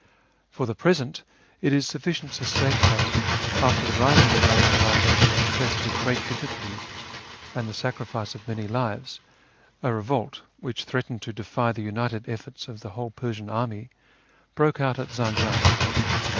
For the present it is sufficient to state that, after the rising in Mazandaran had been suppressed with great difficulty and the sacrifice of many lives, a revolt, which threatened to defy the united efforts of the whole Persian army, broke out at Zanjan.